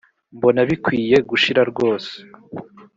mbona bikwiye gushira rwose.